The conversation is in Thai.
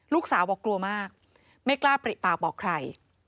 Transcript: ลูกสาวบอกกลัวมากไม่กล้าปริปากบอกใคร